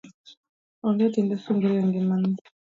Ong'e tiende sungri e ng'imani